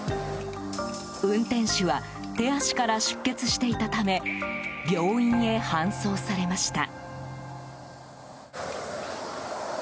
運転手は手足から出血していたため病院へ搬送されました。